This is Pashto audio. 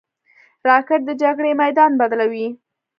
راکټ د جګړې میدان بدلوي